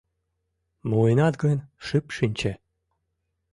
— Муынат гын, шып шинче!